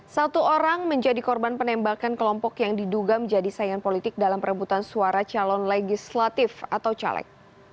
satu orang menjadi korban penembakan kelompok yang diduga menjadi sayang politik dalam perebutan suara calon legislatif atau caleg